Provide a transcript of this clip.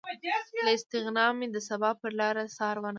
له استغنا مې د سبا پرلاره څار ونه کړ